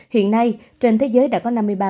hiện nay trên thế giới đặc biệt